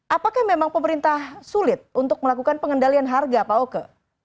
apakah memang pemerintah sulit untuk melakukan pengendalian harga pak oke